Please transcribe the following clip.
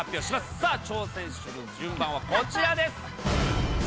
さあ、挑戦者の順番はこちらです。